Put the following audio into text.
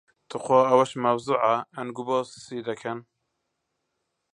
توخوا ئەوەش مەوزوعە ئەنگۆ باسی دەکەن.